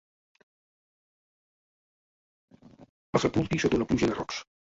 El sepulti sota una pluja de rocs.